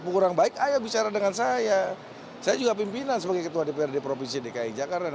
kurang baik ayo bicara dengan saya saya juga pimpinan sebagai ketua dprd provinsi dki jakarta